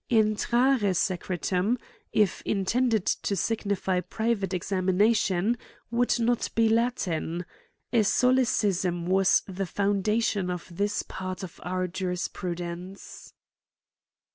Intrare secretum, if intended to signir ty private examination, would not be Latin. A solecism was the foundation of this part of our Jurisprudence.